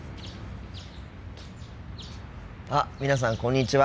あ皆さんこんにちは。